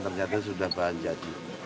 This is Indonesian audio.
ternyata sudah bahan jati